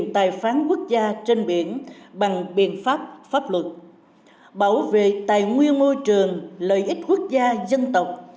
quyền tài phán quốc gia trên biển bằng biện pháp pháp luật bảo vệ tài nguyên môi trường lợi ích quốc gia dân tộc